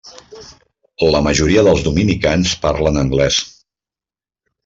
La majoria dels dominicans parlen anglès.